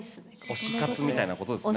推し活みたいなことですね。